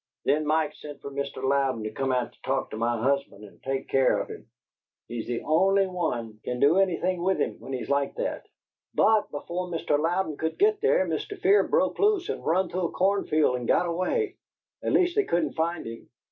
Then Mike sent fer Mr. Louden to come out to talk to my husband and take care of him he's the only one can do anything with him when he's like that but before Mr. Louden could git there, Mr. Fear broke loose and run through a corn field and got away; at least they couldn't find him.